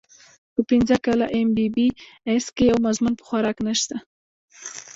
پۀ پنځه کاله اېم بي بي اېس کښې يو مضمون پۀ خوراک نشته